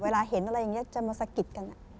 เห็นอะไรอย่างนี้จะมาสะกิดกัน